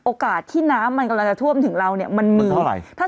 โอกาสที่น้ำมันกำลังจะท่วมถึงเรา